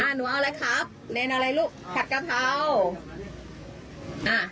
หนูเอาอะไรครับเลนอะไรลูกผัดกะเพราอ่า